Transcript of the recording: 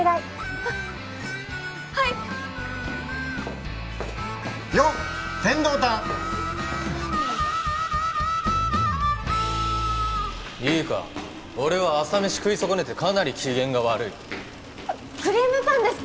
はっはいよっ天堂担いいか俺は朝飯食い損ねてかなり機嫌が悪いクリームパンですか？